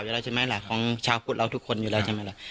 อยู่แล้วใช่ไหมล่ะของชาวพุทธเราทุกคนอยู่แล้วใช่ไหมล่ะ